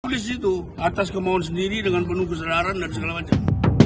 tulis itu atas kemauan sendiri dengan penuh kesadaran dan segala macam